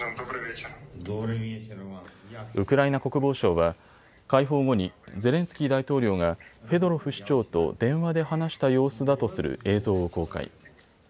ウクライナ国防省は解放後にゼレンスキー大統領がフェドロフ市長と電話で話した様子だとする映像を公開。